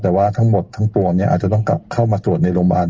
แต่ว่าทั้งหมดทั้งตัวนี้อาจจะต้องข้ำมาสวดในโรงพยาบาล